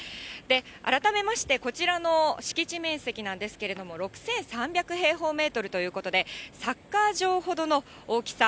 改めまして、こちらの敷地面積なんですけれども、６３００平方メートルということで、サッカー場ほどの大きさ。